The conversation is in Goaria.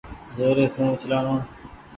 زوري سون اُڇلآڻو۔